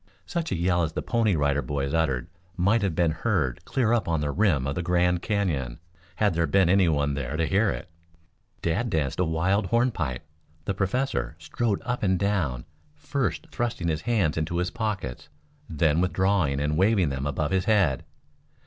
Such a yell as the Pony Rider Boys uttered might have been heard clear up on the rim of the Grand Canyon had there been any one there to hear it. Dad danced a wild hornpipe, the Professor strode up and down, first thrusting his hands into his pockets, then withdrawing and waving them above his head.